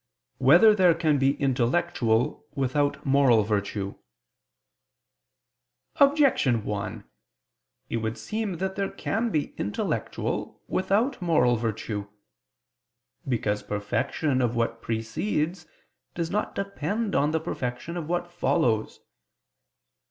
5] Whether There Can Be Intellectual Without Moral Virtue? Objection 1: It would seem that there can be intellectual without moral virtue. Because perfection of what precedes does not depend on the perfection of what follows.